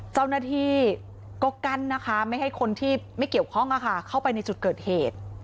เจ้าหน้าที่ก็กั้นนะคะไม่ให้คนที่ไม่เกี่ยวข้องเข้าไปในจุดเกิดเหตุ